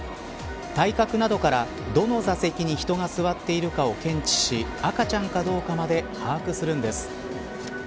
体格などからどの座席に人が座っているかを検知し赤ちゃんかどうかまで把握するんです。